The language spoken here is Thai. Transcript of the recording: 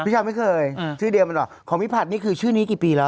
ครับไม่เปลี่ยนมากี่ชื่อนี้อะ